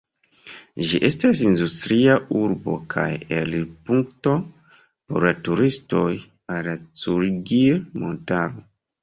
Ĝi estas industria urbo kaj elirpunkto por la turistoj al la Cugir-montaro.